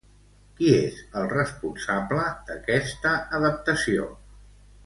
Qui és el responsable d'aquesta adaptació?